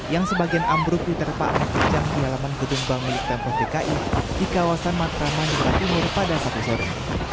yang sebagian ambruk diterpakan di jangki halaman gedung bangunan di tempat dki di kawasan matraman jakarta timur pada sabtu sore